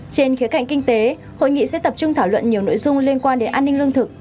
trên khía cạnh kinh tế hội nghị sẽ tập trung thảo luận nhiều nội dung liên quan đến an ninh lương thực